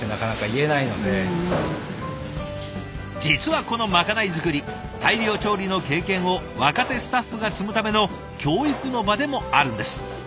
実はこのまかない作り大量調理の経験を若手スタッフが積むための教育の場でもあるんです。